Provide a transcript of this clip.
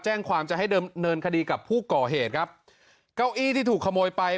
แจ้งความจะให้เดิมเนินคดีกับผู้ก่อเหตุครับเก้าอี้ที่ถูกขโมยไป